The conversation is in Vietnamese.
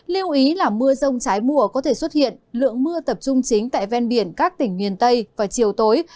liêu ý là mưa rông trái mùa có thể xuất hiện lượng mưa tập trung chính tại ven biển các tỉnh nguyên tây và chiều tối